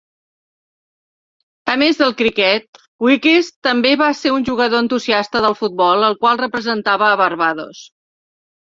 A més del criquet, Weekes també va ser un jugador entusiasta del futbol, el qual representava a Barbados.